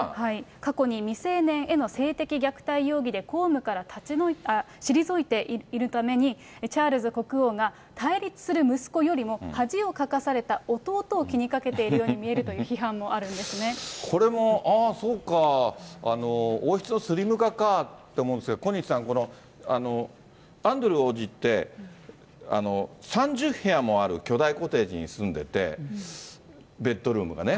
過去に未成年への性的虐待容疑で公務から退いているために、チャールズ国王が、対立する息子よりも、恥をかかされた弟を気にかけているように見えるという批判もあるこれも、ああそうか、王室のスリム化かと思うんですが、小西さん、このアンドルー王子って、３０部屋もある巨大コテージに住んでて、ベッドルームがね。